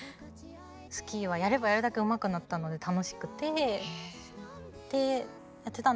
スキーはやればやるだけうまくなったので楽しくてやってたんですけど